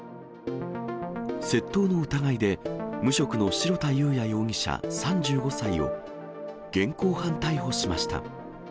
窃盗の疑いで、無職の白田佑哉容疑者３５歳を現行犯逮捕しました。